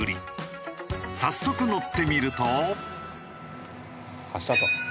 早速乗ってみると。